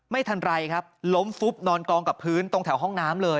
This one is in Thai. ไม่ทันไรครับล้มฟุบนอนกองกับพื้นตรงแถวห้องน้ำเลย